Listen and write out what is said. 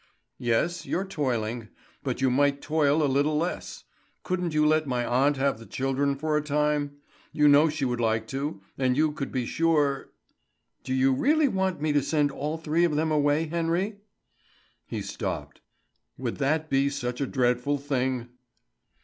"Yes, you're toiling; but you might toil a little less. Couldn't you let my aunt have the children for a time? You know she would like to, and you could be sure " "Do you really want to send all three of them away, Henry?" He stopped. "Would that be such a dreadful thing?"